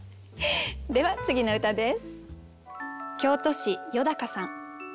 では次の歌です。